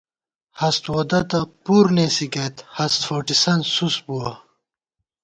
ہست وودہ تہ پُر نېسی گئیت، ہست فوٹِسن سُس بُوَہ